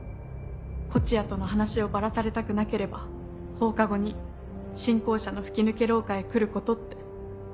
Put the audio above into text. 「東風谷との話をバラされたくなければ放課後に新校舎の吹き抜け廊下へ来ること」って。